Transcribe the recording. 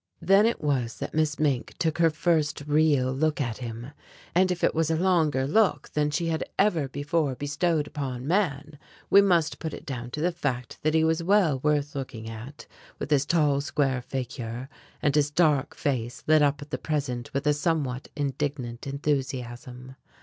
Then it was that Miss Mink took her first real look at him, and if it was a longer look than she had ever before bestowed upon man, we must put it down to the fact that he was well worth looking at, with his tall square figure, and his serious dark face lit up at the present with a somewhat indignant enthusiasm.